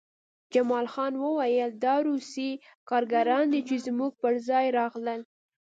جمال خان وویل دا روسي کارګران دي چې زموږ پرځای راغلل